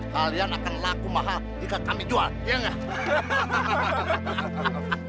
kalian akan laku mahal jika kami jual ya enggak